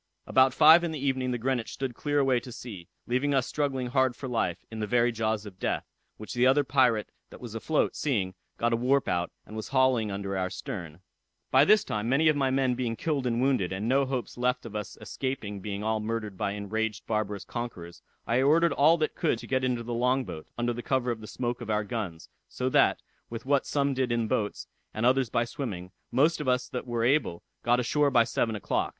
About five in the evening the Greenwich stood clear away to sea, leaving us struggling hard for life, in the very jaws of death; which the other pirate that was afloat, seeing, got a warp out, and was hauling under our stern. "By this time many of my men being killed and wounded, and no hopes left us of escaping being all murdered by enraged barbarous conquerors, I ordered all that could to get into the long boat, under the cover of the smoke of our guns; so that, with what some did in boats, and others by swimming, most of us that were able, got ashore by seven o'clock.